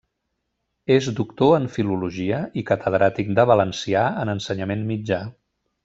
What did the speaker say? És doctor en Filologia i catedràtic de Valencià en Ensenyament Mitjà.